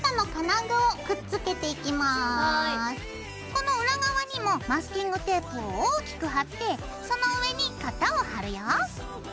この裏側にもマスキングテープを大きく貼ってその上に型を貼るよ。